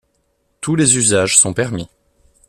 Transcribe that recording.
Tous les usages sont permis